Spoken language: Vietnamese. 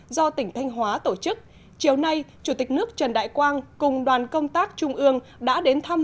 do tỉnh thanh hóa tổ chức chiều nay chủ tịch nước trần đại quang cùng đoàn công tác trung ương đã đến thăm